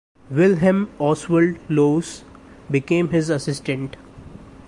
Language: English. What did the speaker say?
Wilhelm Oswald Lohse became his assistant.